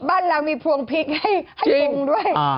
บ้านเรามีพวงพริกให้ปรุงด้วย